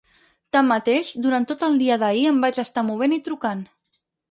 Tanmateix, durant tot el dia d’ahir em vaig estar movent i trucant.